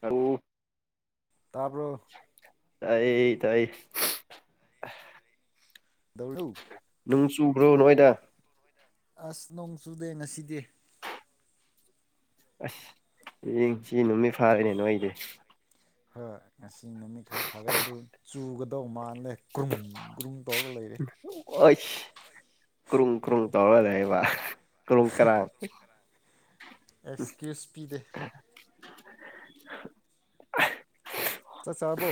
ꯑꯣ ꯇꯥꯕ꯭ꯔꯣ [unintelligible] ꯇꯥꯏꯌ‌ꯦ ꯇꯥꯏꯌ‌ꯦ ꯀꯗꯩꯔꯤꯅꫭ ꯅꯨꯡ ꯆꯨꯕ꯭ꯔꯣ ꯅꯣꯏꯗ ꯑꯁ ꯅꯣꯡ ꯆꯨꯗꯦ ꯉꯁꯤꯗꯤ ꯑꯁ ꯍꯌꯦꯡꯁꯤ ꯅꯨꯃꯤꯠ ꯐꯥꯔꯅꯦ ꯅꯣꯏꯗꯤ ꯐꯔ ꯉꯁꯤ ꯅꯨꯃꯤꯠ ꯈꯔ ꯐꯔꯦ ꯑꯗꯨ ꯆꯨꯒꯗꯧ ꯃꯥꯜꯂꯦ ꯀ꯭ꯔꯨꯝ ꯀ꯭ꯔꯨꯝ ꯑ [unintelligible] ꯀ꯭ꯔꯨꯝ ꯀ꯭ꯔꯨꯨꯝ ꯇꯧ ꯂꯩꯌ‌ꯦꯕ ꯀ꯭ꯔꯨꯝ ꯀꯔꯥꯡ ꯑꯦꯛꯁꯀ꯭ꯌꯨꯁ [unintelligible] ꯄꯤꯗꯦ ꯆꯥꯛ ꯆꯥꯔꯕꯣ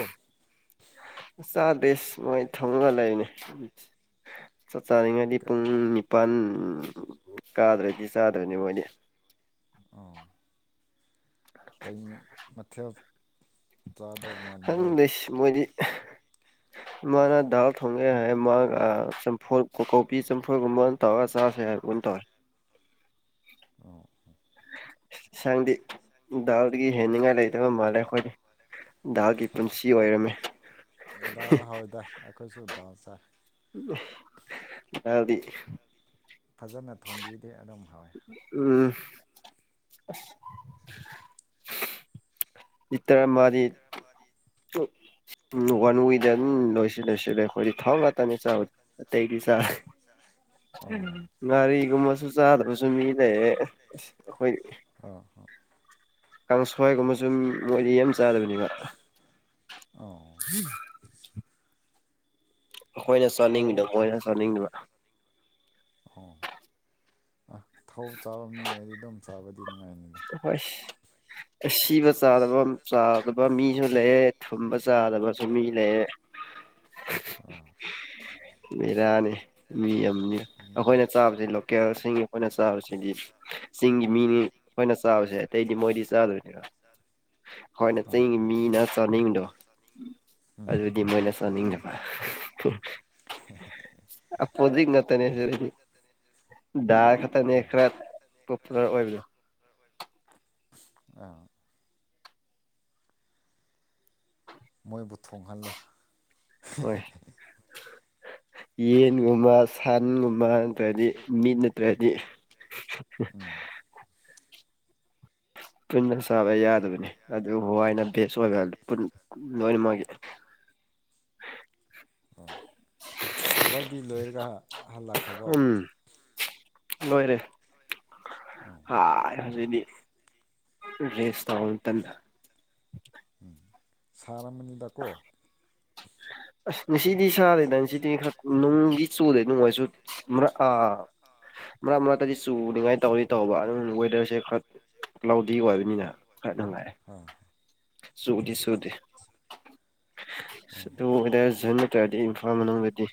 ꯑꯁ ꯆꯥꯗꯦꯁ ꯃꯣꯏ ꯊꯣꯡꯉ ꯂꯩꯅ‌ꯦ ꯆꯥꯛ ꯆꯥꯅꯤꯡꯉꯗꯤ ꯄꯨꯡ ꯅꯤꯄꯥꯜ ꯀꯥꯗ꯭ꯔꯗꯤ ꯆꯥꯗꯕꯅꯤ ꯃꯣꯏꯗꯤ ꯑꯥ [unintelligible] ꯀꯩ ꯃꯊꯦꯜ ꯆꯥꯗꯧ ꯃꯥꯟꯕ꯭ꯔꯣ ꯈꯪꯗ‌ꯦꯁ ꯃꯣꯏꯗꯤ ꯏꯃꯥꯅ ꯗꯥꯜ ꯊꯣꯡꯒ‌ꯦ ꯍꯥꯏ ꯃꯥꯒ ꯆꯝꯐꯨꯠ ꯀꯣꯕꯤ ꯆꯝꯐꯨꯠꯒꯨꯝꯕ ꯑꯣꯏꯅ ꯇꯧꯔꯒ ꯆꯥꯁꯦ ꯍꯥꯏꯕ ꯑꯣꯏꯅ ꯇꯧꯋꯦ ꯑꯣ ꯑꯣ ꯏꯟꯁꯥꯡꯗꯤ ꯗꯥꯜꯗꯒꯤ ꯍꯦꯟꯅꯤꯡꯉꯥꯏ ꯂꯩꯇꯕ ꯃꯥꯜꯂꯦ ꯑꯩꯈꯣꯏꯗꯤ ꯗꯥꯜꯒꯤ ꯄꯨꯟꯁꯤ ꯑꯣꯏꯔꯝꯃ‌ꯦ ꯗꯥꯜ ꯍꯥꯎ ꯑꯗꯨꯗ [unintelligible] ꯑꯈꯣꯏꯁꯨ ꯗꯥꯜ ꯆꯥꯏ ꯗꯥꯜꯗꯤ ꯐꯖꯅ ꯊꯣꯝꯕꯤꯔꯗꯤ ꯑꯗꯨꯝ ꯍꯥꯎꯋꯦ ꯎꯝ ꯂꯤꯇꯔ ꯑꯃꯥꯗꯤ ꯋꯥꯟ ꯋꯤꯛ ꯌꯦꯟ ꯂꯣꯏꯁꯤ ꯂꯣꯏꯁꯤꯜꯂꯦ ꯑꯩꯈꯣꯏꯗꯤ ꯊꯥꯎ ꯉꯥꯛꯇꯅꯤ ꯆꯥꯕ ꯑꯇꯩꯗꯤ ꯆꯥꯛ ꯑꯣ ꯉꯥꯔꯤꯒꯨꯝꯕꯁꯨ ꯆꯥꯗꯕꯁꯨ ꯃꯤ ꯂꯩꯌꯦ ꯑꯁ ꯑꯩꯈꯣꯏ ꯑꯥ ꯍꯣꯏ ꯀꯥꯡꯁꯣꯏꯒꯨꯝꯕ ꯁꯨꯝ ꯃꯣꯏꯗꯤ ꯌꯥꯝ ꯆꯥꯗꯕꯅꯤꯕ ꯑꯣ ꯑꯩꯈꯣꯏꯅ ꯊꯥꯎ ꯆꯥꯅꯤꯡꯗꯣ ꯃꯤꯏꯅ ꯆꯥꯅꯤꯡꯗꯕ ꯑꯣ ꯑ ꯊꯧ ꯆꯥꯕ ꯃꯤ ꯂꯩꯗꯤ ꯑꯗꯨꯝ ꯆꯥꯕꯗꯤ ꯅꯨꯡꯉꯥꯏꯅꯤꯗ ꯍꯣꯏ ꯁꯤꯕ ꯆꯥꯗꯕ ꯆꯥꯗꯕ ꯃꯤꯁꯨ ꯂꯩꯑꯦ ꯊꯨꯝꯕ ꯆꯥꯗꯕꯁꯨ ꯃꯤ ꯂꯩꯑꯦ ꯑꯥ ꯕꯤꯔꯅꯤ ꯃꯤ ꯑꯃꯅꯤ ꯑꯗꯨꯅꯤ ꯑꯩꯈꯣꯏꯅ ꯆꯥꯕꯁꯤ ꯂꯣꯀꯦꯜꯁꯤꯡꯒꯤ ꯑꯩꯈꯣꯏꯅ ꯆꯥꯕꯁꯤꯗꯤ ꯆꯤꯡꯒꯤ ꯃꯤꯅꯤ ꯑꯩꯈꯣꯏꯅ ꯆꯥꯕꯁꯦ ꯑꯇꯩꯗꯤ ꯃꯣꯏꯗꯤ ꯆꯥꯗꯣꯏꯅꯤꯕ ꯍꯣꯏꯅ ꯆꯤꯡꯒꯤ ꯑꯩꯈꯣꯏꯅ ꯃꯤꯅ ꯆꯅꯤꯡꯗ ꯎꯝ ꯑꯗꯨꯗꯤ ꯃꯣꯏꯅ ꯆꯅꯤꯡꯗꯕ ꯑ ꯑꯀꯣꯗꯤꯡ ꯉꯛꯅꯤ ꯑꯩ ꯗꯥ ꯈꯛꯇꯅꯦ ꯑꯥ ꯈꯔ ꯄꯣꯄꯨꯂꯔ ꯑꯣꯏꯕꯗꯣ ꯑꯥ ꯃꯣꯏꯕꯨ ꯊꯣꯡꯍꯜꯂꯨ ꯍꯣꯏ ꯌꯦꯟꯒꯨꯝꯃ ꯁꯟꯒꯨꯝꯕ ꯅꯠꯇ꯭ꯔꯗꯤ ꯃꯤꯠ ꯅꯠꯇ꯭ꯔꯗꯤ ꯄꯨꯟꯅ ꯆꯥꯕ ꯌꯥꯗꯕꯅꯤ ꯑꯗꯨ ꯍꯋꯥꯏꯅ ꯕꯦꯁ ꯑꯣꯏꯕ ꯂꯣꯏ ꯃꯥꯒꯤ ꯑꯣ ꯊꯕꯛꯇꯗꯤ ꯂꯣꯏꯔꯒ ꯍꯜꯂꯛꯈ꯭ꯔꯕꯣ ꯎꯝ ꯂꯣꯏꯔꯦ ꯑꯣ ꯍ ꯍꯧꯖꯤꯗꯤ ꯔꯦꯁ ꯇꯥꯎ ꯃꯇꯝꯗ ꯎꯝ ꯁꯥꯔꯝꯃꯅꯤꯗꯀꯣ ꯑꯁ ꯉꯁꯤꯗꯤ ꯁꯥꯗꯦꯗ ꯉꯁꯤꯗꯤ ꯈꯔ ꯅꯨꯡꯗꯤ ꯆꯨꯗꯦ ꯅꯨꯡꯉꯥꯏ ꯆꯨ ꯃꯔꯥ ꯑꯥ ꯃꯔꯛ ꯃꯔꯛꯇꯗꯤ ꯆꯨꯅꯤꯡꯉꯥꯏ ꯇꯧꯅꯤ ꯇꯧꯕ ꯑꯗꯨ ꯋꯦꯗꯔꯁꯦ ꯈꯔ ꯀ꯭ꯂꯥꯎꯗꯤ ꯑꯣꯏꯕꯅꯤꯅ ꯈꯔ ꯅꯨꯡꯉꯥꯏꯦ ꯑꯥ ꯆꯨꯗꯤ ꯑꯠꯆꯥ ꯑꯠꯆꯥ ꯆꯨꯗꯦ ꯑꯁ ꯑꯣ ꯋꯦꯗꯔ ꯅꯠꯇ꯭ꯔꯔꯗꯤ ꯏꯝꯐꯥꯜ ꯃꯅꯨꯡꯗꯗꯤ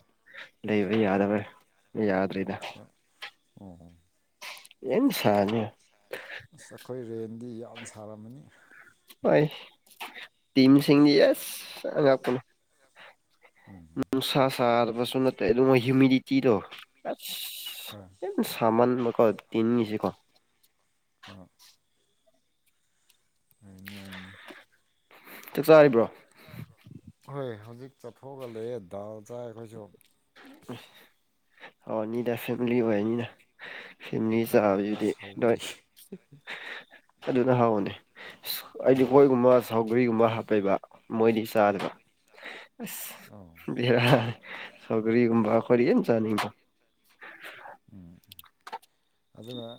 ꯂꯩꯕ ꯌꯥꯗꯕ ꯌꯥꯗ꯭ꯔꯔꯤꯗ ꯑꯥ ꯑꯣ ꯌꯦꯟꯁꯅꯤ ꯑꯁ ꯑꯩꯈꯣꯏ ꯔꯦꯟꯗꯤ ꯌꯥꯝ ꯁꯥꯔꯝꯃꯅꯤ ꯍꯣꯏ ꯇꯤꯝꯁꯤꯡꯗꯤ ꯌꯦꯁ ꯑꯉꯛꯄꯅꯤ ꯅꯨꯡꯁꯥ ꯁꯥꯔꯕꯁꯨ ꯅꯠꯇꯦ ꯑꯗꯨꯒ ꯍꯤꯨꯃꯤꯗꯤꯇꯤꯗꯣ ꯍꯣꯏ ꯑꯁ ꯁꯃꯥꯟꯕ ꯀꯅꯤꯅꯤꯁꯤ ꯀꯣ ꯑꯥ ꯑꯣꯏꯅꯤ ꯑꯣꯏꯅꯤ ꯆꯥꯛ ꯆꯥꯔꯤꯕ꯭ꯔꯣ ꯍꯣꯏ ꯍꯧꯖꯤꯛ ꯆꯠꯊꯣꯛꯑꯒ ꯂꯩꯌꯦ ꯗꯥꯜ ꯆꯥꯏ ꯑꯩꯈꯣꯏꯁꯨ ꯑꯣꯅꯤꯗ ꯐꯦꯃꯤꯂꯤ ꯑꯣꯏꯌꯦꯅꯤꯅ ꯐꯦꯃꯤꯂꯤ ꯗꯥꯜꯒ ꯆꯥꯕꯗꯤ ꯅꯣꯏ ꯁꯧꯒꯔꯤ ꯑꯗꯨꯅ ꯍꯥꯎꯅꯤ ꯑꯩꯗꯤ ꯑꯥ ꯍꯣꯏꯒꯨꯝꯕ ꯁꯧꯒꯔꯤꯒꯨꯝꯕ ꯍꯥꯞꯄꯕ ꯃꯣꯏꯗꯤ ꯆꯥꯗꯕ ꯑꯣ ꯍꯦꯔꯥ ꯁꯧꯒꯔꯤꯒꯨꯨꯝꯕ ꯈꯣꯏꯗꯤ ꯌꯥꯝ ꯆꯅꯤꯡꯕ ꯎꯝ ꯑꯗꯨꯒ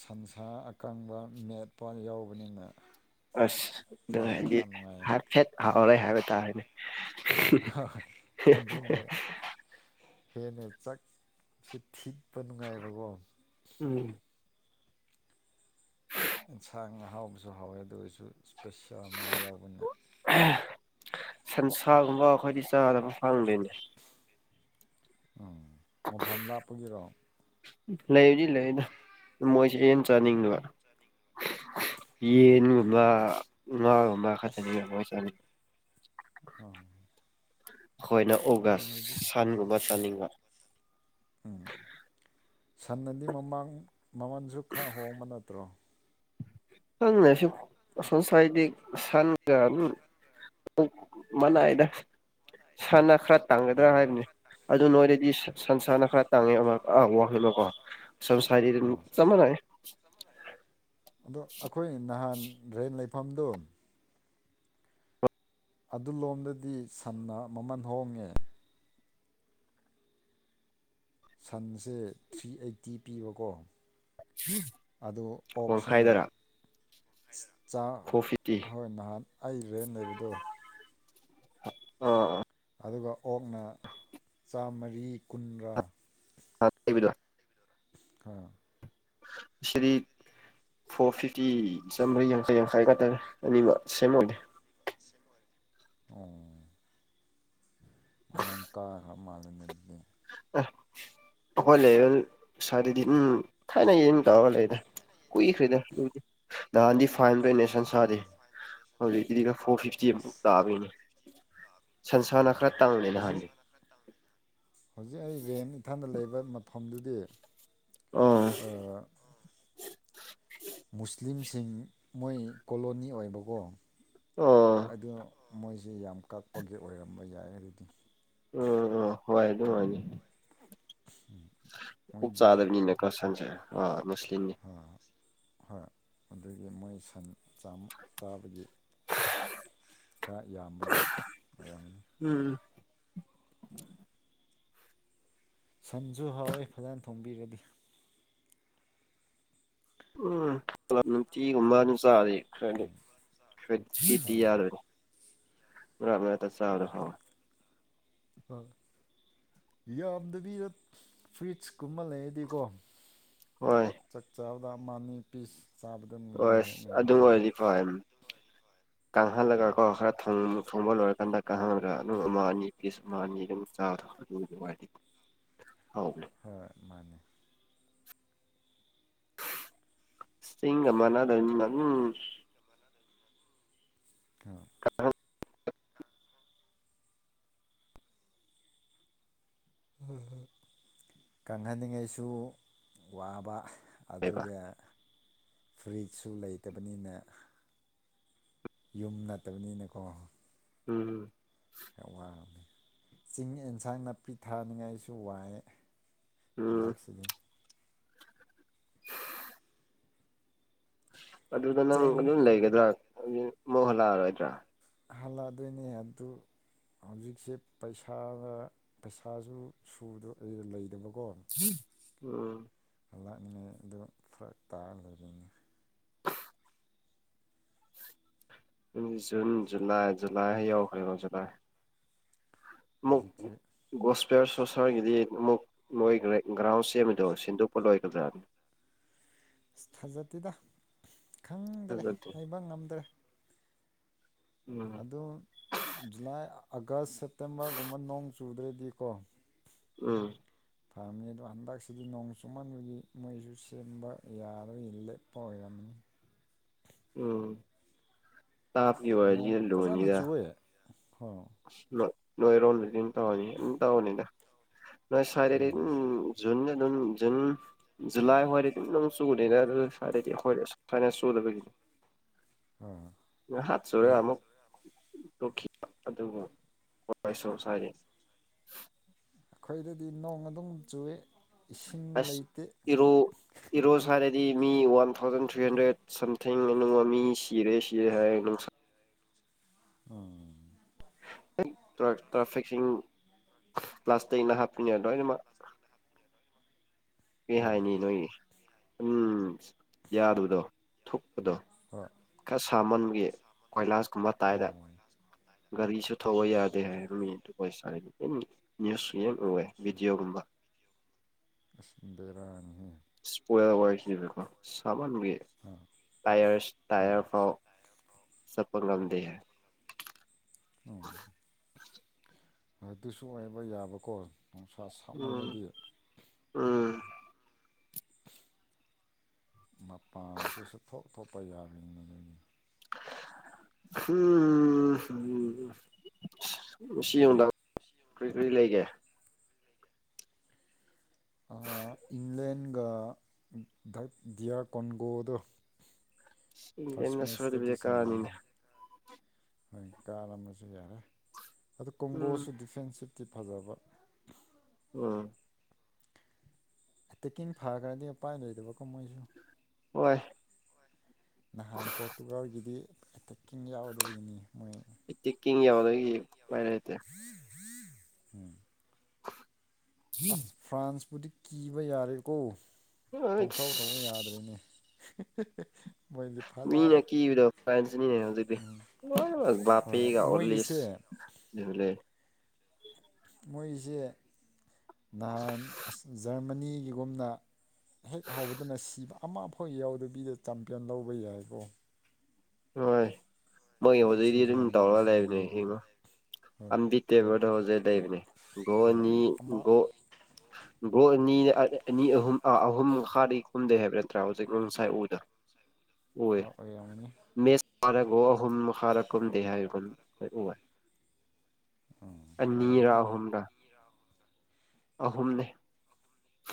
ꯁꯟꯁꯥ ꯀꯪꯕ ꯃꯦꯠꯄ ꯌꯥꯎꯕꯅꯤꯅ ꯑꯁ ꯑꯗꯨ ꯆꯥꯕ ꯍꯥꯏꯗꯤ ꯈꯔ ꯅꯨꯡꯉꯥꯏꯌꯦ ꯍꯥꯏꯐꯦꯠ ꯍꯥꯎꯔꯦ ꯍꯥꯏꯕ ꯇꯥꯔꯦꯅꯦ ꯍ ꯣꯏ ꯑꯗꯨꯅꯦ ꯍꯦꯟꯅ ꯆꯥꯛ ꯆ ꯊꯤꯛꯄ ꯅꯨꯡꯉꯥꯏꯕꯀꯣ ꯎꯝ ꯑꯦꯟꯁꯥꯡ ꯑꯍꯥꯎꯕꯁꯨ ꯍꯥꯎꯋꯦ ꯑꯗꯨ ꯑꯣꯏꯔꯁꯨ ꯏꯁꯄꯦꯁꯤꯌꯥ ꯑꯃ ꯌꯥꯎꯕꯅ ꯁꯟꯁꯥꯒꯨꯝꯕ ꯑꯩꯈꯣꯏꯗꯤ ꯆꯥꯗꯕ ꯐꯪꯗꯣꯏꯅꯦ ꯎꯝ ꯃꯐꯝ ꯂꯥꯞꯄꯒꯤꯔꯣ ꯂꯩꯗꯤ ꯂꯩꯗ ꯃꯣꯏꯁꯦꯟ ꯍꯟꯅ ꯆꯥꯅꯤꯡꯕ ꯑꯣ ꯌꯦꯟꯒꯨꯝꯕ ꯉꯥꯒꯨꯝꯕ ꯈꯛꯇꯅꯤ ꯌꯥꯝ ꯃꯣꯏ ꯆꯥꯅꯤꯡ ꯑꯥ ꯍꯣꯏꯅ ꯑꯗꯨꯒꯨꯝꯕꯗꯤ ꯑꯣꯒꯁ ꯁꯟꯒꯨꯝꯕ ꯆꯥꯅꯤꯡꯕ ꯎꯝ ꯁꯅꯗꯤ ꯃꯃꯥꯡ ꯃꯃꯟꯁꯨ ꯈꯔ ꯍꯣꯡꯕ ꯅꯠꯇ꯭ꯔꯣ ꯊꯪꯅ ꯁꯤ ꯁꯣꯟꯁꯥꯏꯇꯛ ꯁꯥꯟ ꯗ ꯑꯗꯨꯝ ꯃꯅꯥ ꯑꯗ ꯁꯥꯟꯅ ꯈꯔ ꯇꯥꯡꯒꯗ꯭ꯔꯥ ꯍꯥꯏꯕꯅꯤ ꯑꯗꯨ ꯅꯣꯏꯗꯗꯤ ꯁꯟ ꯁꯅ ꯈꯔ ꯇꯥꯡꯉꯦ ꯑꯃ ꯑ ꯋꯥꯂꯣꯀꯣ ꯁꯟꯁꯥꯔꯤ ꯑꯗꯨ ꯑꯣ ꯆꯃꯅꯥꯏ ꯑꯗꯣ ꯑꯩꯈꯣꯏ ꯅꯍꯥꯟ ꯔꯦꯟ ꯂꯩꯐꯝꯗꯣ ꯑꯗꯨꯂꯣꯝꯗꯗꯤ ꯁꯟꯅ ꯃꯃꯜ ꯍꯣꯡꯉꯦ ꯁꯟꯁꯦ ꯊ꯭ꯔꯤ ꯑꯩꯠꯇꯤ ꯄꯤꯕꯀꯣ ꯑꯗꯨ ꯑꯣꯛꯁꯤꯅ ꯋꯥꯡꯈꯥꯏꯗꯔ ꯆꯥꯥꯛ ꯐꯣꯔ ꯐꯤꯐꯇꯤ ꯍꯣꯏ ꯅꯍꯥꯟ ꯑꯩ ꯕꯦꯟ ꯂꯩꯕꯗꯣ ꯑ ꯑ ꯑꯗꯨꯒ ꯑꯣꯛꯅ ꯆꯥꯝꯃꯔꯤ ꯀꯨꯟꯒ ꯑꯥꯕꯤꯗꯣ ꯑꯥ ꯁꯔꯤ ꯐꯣꯔ ꯐꯤꯐꯇꯤ ꯆꯥꯝꯃꯔꯤ ꯌꯥꯡꯈꯩ ꯌꯥꯡꯈꯩꯒꯇꯥꯔꯦ ꯑꯅꯤꯃꯛ ꯁꯦꯝꯃꯒꯦ ꯑꯣ ꯑꯃꯃꯥꯡꯀꯥ ꯃꯥꯅ ꯃꯦ ꯑꯦ ꯑꯩꯈꯣꯏ ꯂꯩ ꯁꯋꯥꯗꯗꯤ ꯎꯝ ꯊꯥꯏꯅ ꯌꯦꯟ ꯇꯧꯔꯒ ꯂꯩꯗ ꯀꯨꯏꯈ꯭ꯔꯦꯗꯏ ꯅꯥꯔꯗꯤ ꯐꯥꯍꯟꯗꯨꯏꯅ ꯦ ꯁꯥꯗꯤ ꯍꯧꯖꯤꯛꯀꯤꯗꯤꯒ ꯐꯣꯔ ꯐꯤꯐꯇꯤ ꯑꯃꯨꯛ ꯑꯁ ꯂꯥꯛꯑꯕꯒꯤꯅꯦ ꯁꯟꯁꯥꯅ ꯈꯔ ꯇꯥꯡꯂꯦ ꯍꯧꯖꯤꯛ ꯅꯍꯥꯟꯅꯤ ꯍꯧꯖꯤꯛ ꯑꯩ ꯔꯦꯟ ꯏꯟꯊꯥꯡꯗ ꯂꯩꯕ ꯃꯐꯝꯗꯨꯗꯤ ꯑꯣ ꯑꯣ ꯃꯨꯁꯂꯤꯝꯁꯤꯡ ꯃꯣꯏ ꯀꯣꯂꯣꯅꯤ ꯑꯣꯏꯕꯀꯣ ꯑꯣ ꯑꯗꯣ ꯃꯣꯏꯖꯦ ꯌꯥꯝ ꯀꯛꯄꯒꯤ ꯑꯣꯏꯔꯝꯕ ꯌꯥꯏꯔꯗꯤ ꯎꯝ ꯎꯝ ꯍꯣꯏ ꯑꯗꯨꯝ ꯃꯥꯅꯤ ꯎꯝ ꯑꯣꯛ ꯆꯥꯗꯕꯅꯤꯅꯦ ꯀꯁꯟꯁꯦ ꯑ ꯃꯨꯁꯂꯤꯝꯅꯤ ꯍꯣꯏ ꯑꯗꯨꯒꯤ ꯃꯣꯏ ꯁꯟ ꯆꯥꯕꯒꯤ ꯈꯔ ꯌꯥꯝꯕꯒꯤ ꯃꯌꯥꯝꯅꯤ ꯎꯝ ꯁꯟꯁꯨ ꯍꯥꯎꯋꯦ ꯐꯖꯅ ꯊꯣꯡꯕꯤꯔꯗꯤ ꯎꯝ ꯅꯨꯡꯇꯤꯒꯨꯝꯃꯥꯅ ꯆꯥꯔꯦ ꯈ꯭ꯔꯗꯤ ꯈꯗꯤꯗꯤ ꯍꯣꯏ ꯌꯥꯔꯅꯤ ꯃꯔꯛ ꯃꯔꯛꯇ ꯆꯕꯗꯣ ꯍꯥꯏꯋꯦ ꯍꯣꯏ ꯌꯥꯝꯗꯕꯤꯗ ꯐꯨꯏꯠꯁꯀꯨꯝꯕ ꯂꯩꯔꯗꯤꯀꯣ ꯍꯣꯏ ꯆꯥꯛ ꯆꯥꯕꯗ ꯃꯥꯅꯤ ꯄꯤꯁ ꯆꯥꯕꯗꯨꯃꯗꯤ ꯑꯁ ꯍꯦꯟꯅ ꯑꯗꯨꯝ ꯅꯨꯡꯉꯥꯏꯗ ꯑꯣꯏꯔꯗꯤ ꯐ꯭ꯌꯤꯝ ꯀꯪꯍꯜꯂꯒꯀꯣ ꯈꯔ ꯊꯣꯡ ꯊꯣꯡꯕ ꯂꯣꯏꯔ ꯍꯟꯗꯛꯀ ꯍꯥꯡꯉꯒ ꯑꯗꯨꯝ ꯑꯃ ꯑꯅꯤ ꯄꯤꯁ ꯑꯃ ꯑꯅꯤ ꯑꯗꯨꯝ ꯆꯥꯔꯣ ꯑꯗꯨ ꯋꯥꯗꯤ [unintelligible] ꯑꯧ ꯍꯣꯏ ꯃꯥꯅꯦ ꯆꯤꯡꯒ ꯃꯥꯅꯗꯝꯅꯤꯅ ꯑꯗꯨꯝ ꯑ ꯀꯪꯍꯟꯅꯤꯡꯉꯥꯏꯁꯨ ꯋꯥꯕ ꯀꯩꯕ ꯑꯗꯨꯒ ꯐ꯭ꯔꯤꯖꯁꯨ ꯂꯩꯇꯕꯅꯤꯅ ꯌꯨꯝ ꯅꯠꯇꯕꯅꯤꯅꯀꯣ ꯎꯝ ꯈꯔ ꯋꯥꯔꯝꯅꯤ ꯆꯤꯡ ꯑꯦꯟꯁꯥꯡ ꯅꯥꯄꯤ ꯊꯥꯅꯤꯡꯉꯥꯏꯁꯨ ꯋꯥꯏꯌꯦ ꯎꯝ ꯍꯟꯗꯛꯁꯤꯅꯤ ꯑꯗꯨꯗ ꯅꯪ ꯆꯦꯡ ꯑꯗꯨꯝ ꯂꯩꯒꯗ꯭ꯔꯥ ꯃꯣ ꯍꯜꯂꯛꯑꯔꯣꯏꯗ꯭ꯔꯥ ꯍꯜꯂꯛꯑꯗꯣꯏꯅꯦ ꯑꯗꯨ ꯍꯧꯖꯤꯛꯁꯦ ꯄꯩꯁꯥꯗ ꯄꯩꯁꯥꯁꯨ ꯁꯨꯗꯕ ꯂꯩꯇꯕꯀꯣ ꯎꯝ ꯍꯂꯛꯅꯤ ꯑꯗꯨ ꯐꯔꯛ ꯇꯥꯔꯒ ꯂꯩꯔꯤꯅꯤ ꯖꯨꯟ ꯖꯨꯟ ꯖꯨꯂꯥꯏ ꯖꯨꯂꯥꯏ ꯌꯧꯈ꯭ꯔꯦꯀꯣ ꯖꯨꯂꯥꯏ ꯑꯃꯨꯛ ꯍꯧꯖꯤꯛꯊꯤ ꯒꯣꯁꯄꯤꯌꯔ ꯁꯣꯁꯔꯒꯤꯗꯤ ꯑꯃꯨꯛ ꯅꯣꯏ ꯒ꯭ꯔꯥꯎꯟ ꯁꯦꯝꯕꯗꯣ ꯁꯤꯟꯗꯣꯛꯄ ꯂꯣꯏꯒꯗ꯭ꯔ ꯑꯁ ꯊꯥꯖꯠꯇꯤꯗ ꯈꯪꯗ꯭ꯔꯦ ꯊꯥꯖꯗꯦ ꯍꯩꯕ ꯉꯝꯗ꯭ꯔꯦ ꯎꯝ ꯑꯗꯨ ꯖꯨꯂꯥꯏ ꯑꯥꯒꯁ ꯁꯦꯞꯇꯦꯝꯕꯔꯒꯨꯝꯕ ꯅꯣꯡ ꯆꯨꯗ꯭ꯔꯗꯤꯀꯣ ꯎꯝ ꯐꯔꯝꯃꯤ ꯑꯗꯣ ꯍꯟꯗꯛꯁꯤꯗꯤ ꯅꯣꯡ ꯆꯨꯃꯟꯕꯒꯤ ꯃꯣꯏꯁꯨ ꯁꯦꯝꯕ ꯌꯥꯔꯣꯏ ꯂꯦꯞꯄ ꯑꯣꯏꯔꯝꯃꯤ ꯎꯝ ꯇꯥꯞꯀꯤ ꯑꯣꯏꯔꯗꯤ ꯅꯣꯡ ꯐꯖꯅ ꯆꯨꯑꯦ ꯍꯣ ꯅ ꯅꯣꯏꯔꯣꯟꯗꯗꯤꯝ ꯇꯧꯕꯅꯤ ꯑꯗꯨꯝ ꯇꯧꯕꯅꯤꯗ ꯅꯣꯏ ꯁꯥꯏꯗꯗꯤ ꯑꯗꯨꯝ ꯖꯨꯟ ꯑꯗꯨꯝ ꯖꯨꯟ ꯖꯨꯂꯥꯏ ꯍꯣꯏꯗꯤ ꯑꯗꯨꯝ ꯅꯣꯡ ꯆꯨꯗꯦꯗ ꯑꯗꯨꯅ ꯁꯋꯥꯏꯗꯗꯤ ꯑꯩꯈꯣꯏ ꯐꯥꯏꯅꯦ ꯍꯣꯏ [unintelligible] ꯑꯗꯨꯕꯨ ꯋꯥꯏ ꯁꯣꯁ ꯍꯥꯏꯔꯤ ꯑꯩꯈꯣꯏꯗꯗꯤ ꯅꯣꯡ ꯑꯗꯨꯝ ꯆꯨꯏ ꯑꯁ ꯏꯔꯣ ꯏꯔꯣ ꯁꯥꯔꯗꯤ ꯃꯤ ꯋꯥꯟ ꯊꯥꯎꯖꯟ ꯊ꯭ꯔꯤ ꯍꯟꯗ꯭ꯔꯦꯠ ꯁꯝꯊꯤꯡꯅꯨꯡ ꯃꯃꯤ ꯁꯤꯔꯦ ꯁꯤꯔꯦ ꯍꯥꯏ ꯅꯨꯡꯁꯥ ꯎꯝ ꯇ꯭ꯔꯥ ꯇ꯭ꯔꯥꯐꯤꯛꯁꯤꯡ ꯄ꯭ꯂꯥꯁꯇꯤꯛꯅ ꯍꯥꯞꯄꯤꯅꯦ ꯂꯣꯏꯅꯃꯛ ꯀꯩ ꯑꯣ ꯍꯥꯏꯅꯤ ꯅꯣꯏ ꯑꯗꯨꯝ ꯌꯥꯗꯕꯗꯣ ꯊꯨꯛꯄꯗꯣ ꯍꯣꯏ ꯈꯥ ꯁꯥꯃꯟꯒꯤ ꯀꯣꯏꯂꯥꯁꯀꯨꯝꯕ ꯇꯥꯏꯗ ꯑꯣ ꯑꯁ ꯒꯥꯔꯤꯁꯨ ꯊꯧꯕ ꯌꯥꯗꯦ ꯍꯥꯏꯔꯝꯃꯤ ꯑꯗꯨꯒ ꯑꯩ [unintelligible] ꯅ꯭ꯌꯨꯁ ꯌꯥꯝ ꯎꯏꯌꯦ ꯚꯤꯗꯤꯑꯣꯒꯨꯝꯕ ꯑꯁ ꯕꯦꯔꯥꯅꯤꯍꯦ ꯏꯁꯄꯣꯏꯜ ꯋꯥꯔꯤꯁꯤꯅꯀꯣ ꯁꯥꯃꯟ [unintelligible] ꯑ ꯇꯥꯏꯌꯔꯁ ꯇꯥꯏꯌꯔ ꯐꯥꯎ ꯆꯠꯄ ꯉꯝꯗꯦ ꯎꯝ ꯑꯗꯨꯁꯨ ꯑꯣꯏꯕ ꯌꯥꯕꯀꯣ ꯅꯨꯡꯁꯥ ꯎꯝ ꯁꯥꯃꯜꯂꯗꯤ ꯎꯝ ꯃꯄꯥꯟꯁꯤꯁꯨ ꯊꯣꯛ ꯊꯣꯛꯄ ꯌꯥ [unintelligible] ꯍꯝ ꯍꯝ ꯉꯁꯤ ꯅꯨꯡꯗꯥꯡ ꯀꯔꯤ ꯀꯔꯤ ꯂꯩꯒꯦ ꯏꯪꯂꯦꯟꯒ ꯗꯤꯌꯥ ꯀꯣꯟꯒꯣꯗꯣ ꯐꯥꯔꯁ ꯏꯪꯂꯦꯟꯅ ꯃꯦꯆꯇꯗꯤ ꯁꯣꯏꯗꯕꯤꯗ ꯁꯅꯥꯅꯤ ꯀꯥꯅꯤꯅꯦ ꯍꯣꯏ ꯀꯥꯔ ꯑꯃꯁꯨ ꯌꯥꯔꯦ ꯑꯗꯨ ꯎꯝ ꯀꯣꯡꯒꯣꯁꯨ ꯗꯤꯐꯦꯟꯁꯤꯞꯇꯤ ꯐꯖꯕ ꯎꯝ ꯇꯦꯛꯀꯤꯡ ꯐꯥꯈ꯭ꯔꯗꯤ ꯎꯄꯥꯏ ꯂꯩꯏꯗꯕꯀꯣ ꯃꯣꯏꯁꯨ ꯍꯣꯏ ꯅꯍꯥꯟ ꯄꯣꯔꯇꯨꯒꯥꯜꯒꯤꯗꯤ ꯑꯦꯇꯦꯛꯀꯤꯡ ꯌꯥꯎꯒꯗꯕꯒꯤꯅꯤ ꯃꯣꯏ ꯑꯩ ꯆꯤꯀꯤꯡ ꯌꯥꯎꯗꯒꯤ ꯄꯥꯏꯔꯦꯇꯦ ꯍ ꯎꯝ [unintelligible] ꯑꯁ ꯐ꯭ꯔꯥꯟꯁꯄꯨꯗꯤ ꯀꯤꯕ ꯌꯥꯔꯦꯀꯣ ꯄꯪꯊꯧ ꯇꯧꯕ ꯑꯩꯁ ꯌꯥꯗ꯭ꯔꯦꯅꯦ ꯃꯣꯏꯗꯤ ꯃꯤꯅꯦ ꯐꯖꯔꯦ ꯀꯤꯕꯗꯣ ꯐꯥꯏꯟꯁꯅꯤꯅꯦ ꯍꯧꯖꯤꯛꯇꯤ ꯕꯥꯒ ꯑꯣꯁ ꯃꯣꯏꯒꯤꯁꯦ ꯑꯗꯨꯕꯂꯦ ꯃꯣꯏꯁꯦ ꯅꯍꯥꯟ ꯖꯔꯃꯅꯤꯒꯤꯒꯨꯝꯅ ꯍꯦꯛ ꯍꯧꯕꯗꯨꯅ ꯁꯤꯕ ꯑꯃ ꯑꯐꯥꯎ ꯌꯥꯎꯗꯕꯤꯗ ꯆꯝꯄꯦꯟ ꯂꯧꯕ ꯌꯥꯏꯀꯣ ꯍꯣꯏ ꯃꯣꯏ ꯍꯧꯖꯤꯛꯇꯤ ꯐ꯭ꯔꯥꯟꯁꯤꯝꯁꯦ ꯑꯗꯨꯝ ꯑꯟꯗꯒꯤꯁꯤ ꯍꯌꯦ ꯑꯝꯕꯤ ꯇꯦꯕꯔꯗ ꯍꯧꯖꯤꯛ ꯂꯩꯕꯅꯦ ꯒꯣ ꯍꯣꯏ ꯑꯅꯤ ꯑꯃ ꯒꯣ ꯒ꯭ꯔꯅꯤ ꯑꯅꯤ ꯑꯍꯨꯝ ꯑꯍꯨꯝ ꯃꯈꯥꯗꯤ ꯈꯨꯝꯗꯩ ꯍꯥꯏꯕ ꯅꯠꯇ꯭ꯔꯥ ꯍꯧꯖꯤꯛ ꯉꯁꯥꯏ ꯎꯗ [unintelligible] ꯑꯣꯏ ꯑꯣꯏꯔꯝꯒꯅꯤ ꯃꯦꯁ ꯐꯥꯔꯒ ꯑꯍꯨꯝ ꯃꯈꯥꯔꯛꯀꯨꯝꯗꯦ ꯍꯥꯏꯕ ꯎ ꯑꯅꯤꯔꯥ ꯑꯣꯏꯔꯝꯒꯅꯤ ꯑꯍꯨꯝꯗ ꯑꯍꯨꯝꯅꯤ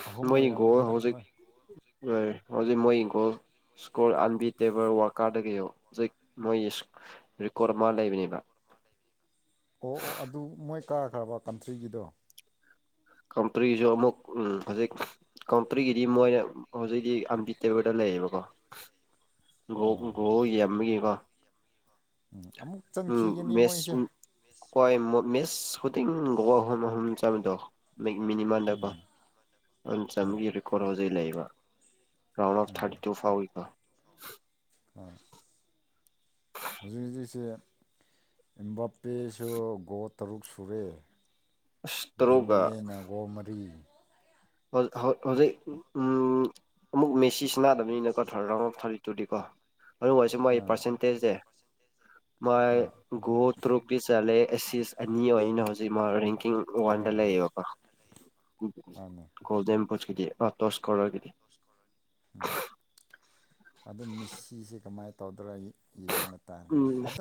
ꯑꯍꯨꯝ ꯃꯣꯏ ꯒꯣꯜ ꯑꯣꯏꯔꯝꯒꯅꯤꯗ ꯍꯧꯖꯤꯛ ꯍꯣꯏ ꯍꯣꯏ ꯍꯧꯖꯤꯛ ꯃꯣꯏ ꯍꯪꯈꯣꯜ ꯁꯀꯣꯔꯜ ꯑꯟꯕꯤ ꯇꯦꯕꯔ ꯋꯥꯀꯥꯔꯗꯒꯤꯩꯣ ꯍꯧꯖꯤꯛ ꯃꯣꯏꯒꯤ ꯔꯦꯀꯣꯔꯠ ꯑꯃ ꯂꯩꯕꯅꯦꯕ ꯑꯣ ꯑꯣ ꯑꯗꯨ ꯃꯣꯏ ꯀꯥꯈ꯭ꯔꯕ ꯀꯟꯇ꯭ꯔꯤꯒꯤꯗꯣ ꯀꯝꯄꯔꯤꯁꯨ ꯑꯃꯨꯛ ꯎ ꯍꯧꯖꯤꯛ ꯀꯥꯎꯝꯇ꯭ꯔꯤꯒꯤꯗꯤ ꯃꯣꯏꯅ ꯍꯧꯖꯤꯛꯤ ꯑꯝꯕꯤ ꯇꯦꯕꯔꯗ ꯂꯩꯌꯦꯕꯀꯣ ꯒ ꯑꯣ ꯒ꯭ꯔꯣ ꯌꯦꯡꯕꯒꯤꯀꯣ ꯑꯃꯨꯛ ꯆꯟꯈꯤꯒꯅꯤ ꯃꯣꯏꯁꯦ ꯃꯦꯁ ꯀꯣꯏ ꯃꯤꯁ ꯍꯨꯇꯤꯡꯒꯣꯍꯨꯝ ꯍꯨꯝ ꯆꯃꯗꯣ ꯃꯤꯅꯤꯃꯥꯟꯗꯀꯣ ꯆꯥꯝꯃꯒꯤ ꯔꯦꯀꯣꯔꯠ ꯍꯧꯖꯤꯛ ꯂꯩꯕ ꯔꯥꯎ ꯑꯣꯐ ꯊꯔꯇꯤ ꯇꯨ ꯐꯥꯎ ꯑꯣ ꯍꯧꯖꯤꯛ ꯍꯧꯖꯤꯛꯁꯦ ꯏꯕꯥꯄꯤꯦꯁꯨ ꯒꯣꯠ ꯇꯔꯨꯛ ꯁꯨꯔꯦ ꯑꯁ ꯇꯔꯨꯛꯒ ꯗꯤꯕꯂꯦ ꯒꯣ ꯃꯔꯤ ꯍꯧꯖꯤꯛ ꯎꯝ ꯑꯃꯨꯛ ꯃꯦꯁꯤꯁ ꯆꯅꯥꯗꯕꯅꯤꯅꯀꯣ ꯊꯥ ꯔꯥꯎꯟ ꯑꯣꯐ ꯊꯥꯔꯇꯤ ꯇꯨꯗꯤꯀꯣ ꯑꯗꯨ ꯑꯣꯏꯔꯁꯨ ꯃꯒꯤ ꯑꯥ ꯄꯥꯔꯁꯦꯟꯇꯦꯖꯁꯦ ꯃꯥꯥꯏ ꯍꯥ ꯒꯣ ꯇ꯭ꯔꯨꯛꯀꯤꯤ ꯆꯠꯂꯦ ꯑꯦꯁꯤꯁ ꯑꯅꯤꯩꯅ ꯍꯧꯖꯤꯛ ꯃꯥ ꯔꯦꯡꯀꯤꯡ ꯋꯥꯟꯗ ꯂꯩꯌꯦꯕ ꯋꯥ ꯊꯦ ꯎ ꯒꯣꯜꯗꯦꯝꯄꯣꯁ ꯀꯗꯤ ꯑ ꯇꯣꯁ ꯀꯔ ꯀꯗꯤ ꯎꯝ ꯑꯗꯨ ꯃꯤꯁꯤꯁꯤꯁꯦ ꯀꯃꯥꯏꯅ ꯇꯧꯗ꯭ꯔ ꯑꯩ ꯏ ꯃꯇꯥꯡꯅꯤ ꯎꯝ ꯑ